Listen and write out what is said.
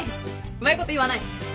うまいこと言わない。